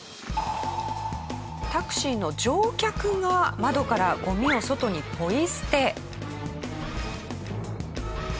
タクシーの乗客が窓からゴミを外にポイ捨て。